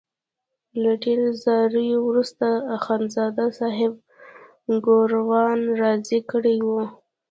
له ډېرو زاریو وروسته اخندزاده صاحب ګوروان راضي کړی وو.